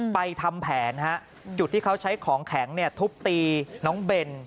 ทำแผนจุดที่เขาใช้ของแข็งทุบตีน้องเบน